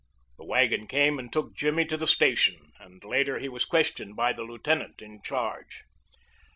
The wagon came and took Jimmy to the station, and later he was questioned by the lieutenant in charge.